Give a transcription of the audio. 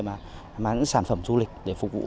mà những sản phẩm du lịch để phục vụ